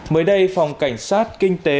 mới đây phòng cảnh sát kinh tế